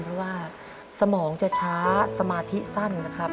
เพราะว่าสมองจะช้าสมาธิสั้นนะครับ